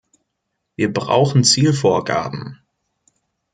Wir brauchen Zielvorgaben.